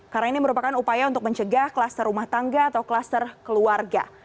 karena ini merupakan upaya untuk mencegah kluster rumah tangga atau kluster keluarga